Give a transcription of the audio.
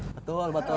betul betul betul